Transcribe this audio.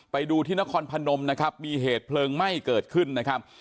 ไปดูที่นครพนมนะครับมีเหตุเพลิงไหม้เกิดขึ้นนะครับ